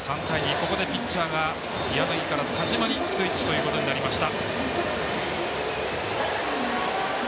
ここでピッチャーが柳から田島にスイッチとなりました。